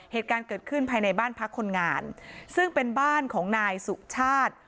เหตุการณ์เกิดขึ้นภายในบ้านพักคนงานซึ่งเป็นบ้านของนายสุชาติ